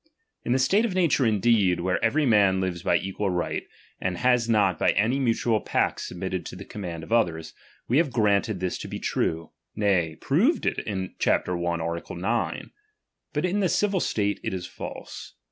lu the state of nature indeed, where every man lives by equal right, and has not by any mutual pacts submitted to the command of others, we have granted this to be true ; nay, proved it in chap. i. art. 9. But in the civil state it is false.